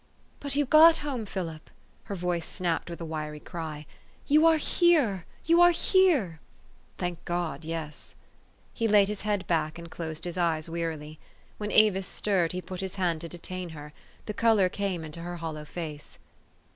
" But you got home, Philip !" her voice snapped with a wiry cry. " You are here, you are here !" "Thank God, yes! " He laid his head back, and closed his eyes wearily. When Avis stirred, he put his hand to detain her. The color came into her hollow face.